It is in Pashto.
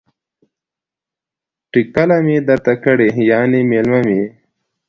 ټکله می درته کړې ،یعنی میلمه می يی